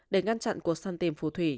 để ngăn chặn cuộc săn tìm phù thủy